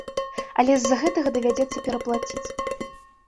Але з-за гэтага давядзецца пераплаціць.